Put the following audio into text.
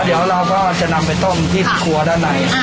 เดี๋ยวเราก็จะนำไปต้มที่ครัวด้านใน